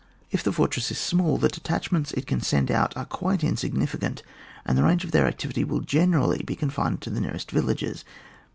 If the fortress is small, the detachments it can send out are quite insignificant and the range of their activity will generally be confined to the nearest villages.